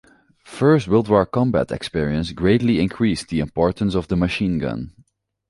First World War combat experience greatly increased the importance of the machine gun.